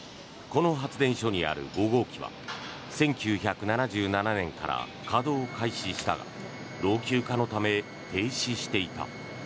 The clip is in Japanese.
この発電所にある５号機は１９７７年から稼働開始したが老朽化のため、停止していた。